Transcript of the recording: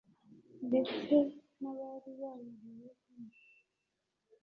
ndetse n`abari babohewe hano